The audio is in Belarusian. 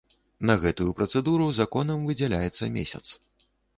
На гэтую працэдуру законам выдзяляецца месяц.